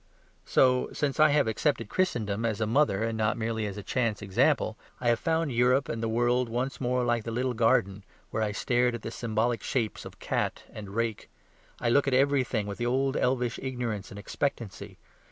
So, since I have accepted Christendom as a mother and not merely as a chance example, I have found Europe and the world once more like the little garden where I stared at the symbolic shapes of cat and rake; I look at everything with the old elvish ignorance and expectancy.